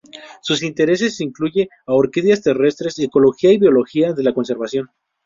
Sus intereses incluye a orquídeas terrestres, ecología y biología de la conservación.